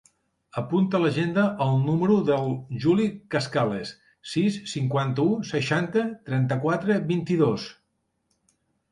Apunta a l'agenda el número del Juli Cascales: sis, cinquanta-u, seixanta, trenta-quatre, vint-i-dos.